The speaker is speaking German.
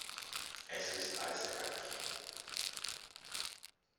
Es ist eiskalt.